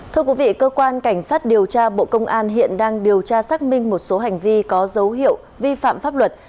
thưa quý vị cơ quan cảnh sát điều tra bộ công an hiện đang điều tra xác minh một số hành vi có dấu hiệu vi phạm pháp luật